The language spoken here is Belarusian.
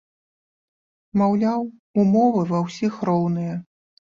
Маўляў, умовы ва ўсіх роўныя.